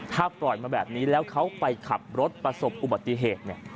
ถ้าปล่อยมาแบบนี้แล้วเขาไปขับรถประสบอุบัติเหตุเนี่ย